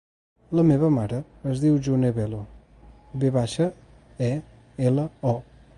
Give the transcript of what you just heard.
La meva mare es diu June Velo: ve baixa, e, ela, o.